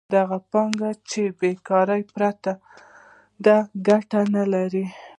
دغه پانګه چې بېکاره پرته ده ګټه نلري